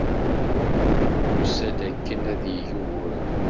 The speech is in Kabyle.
Yusa-d akken ad d-yeg uguren.